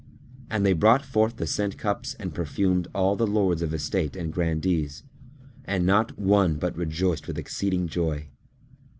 And they brought forth the scent cups and perfumed all the Lords of estate and Grandees; and not one but rejoiced with exceeding joy.